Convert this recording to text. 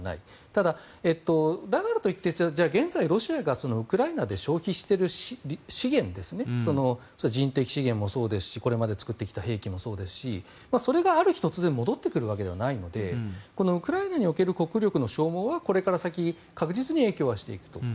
ただ、だからといって現在ロシアがウクライナで消費している資源人的資源もそうですしこれまで作ってきた兵器もそうですしそれがある日突然戻ってくるわけではないのでウクライナにおける国力の消耗はこれから先確実に影響はしていくと。